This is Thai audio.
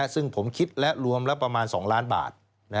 ซึ่งผมคิดและรวมแล้วประมาณ๒ล้านบาท